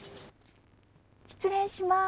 失礼します。